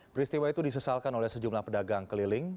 peristiwa itu disesalkan oleh sejumlah pedagang keliling